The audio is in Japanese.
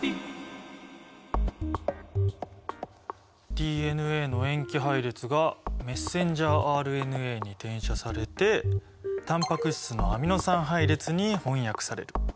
ＤＮＡの塩基配列がメッセンジャーＲＮＡに転写されてタンパク質のアミノ酸配列に翻訳される。